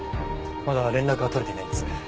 まだ連絡が取れていないんです。